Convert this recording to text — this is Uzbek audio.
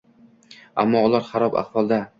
Ammo ular xarob ahvolda.